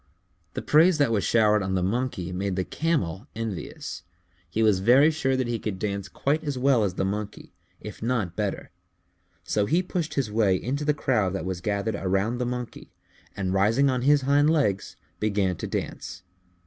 The praise that was showered on the Monkey made the Camel envious. He was very sure that he could dance quite as well as the Monkey, if not better, so he pushed his way into the crowd that was gathered around the Monkey, and rising on his hind legs, began to dance.